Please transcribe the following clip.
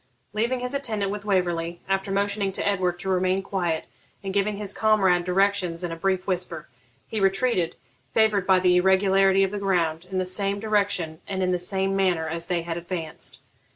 Leaving his attendant with Waverley, after motioning to Edward to remain quiet, and giving his comrade directions in a brief whisper, he retreated, favoured by the irregularity of the ground, in the same direction and in the same manner as they had advanced.